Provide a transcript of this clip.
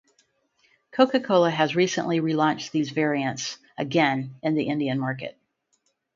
Coca-Cola has recently re-launched these variants again in the Indian market.